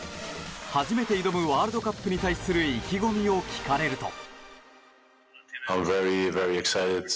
初めて挑むワールドカップに対する意気込みを聞かれると。